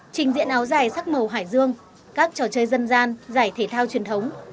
trình diện áo dài sắc màu hải dương các trò chơi dân gian giải thể thao truyền thống